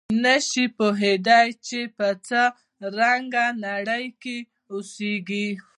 نه شي پوهېدای چې په څه رنګه نړۍ کې اوسېږي.